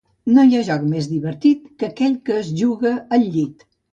No hi ha joc més divertit que aquell que es juga al llit.